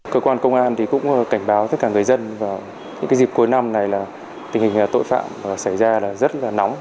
cơ quan công an cũng cảnh báo tất cả người dân vào những dịp cuối năm này là tình hình tội phạm xảy ra rất nóng